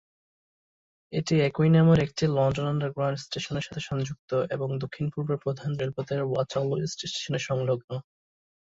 এটি একই নামের একটি লন্ডন আন্ডারগ্রাউন্ড স্টেশনের সাথে সংযুক্ত এবং দক্ষিণ পূর্ব প্রধান রেলপথের ওয়াটারলু ইস্ট স্টেশনের সংলগ্ন।